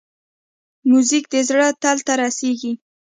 موزیک د زړه تل ته رسېږي.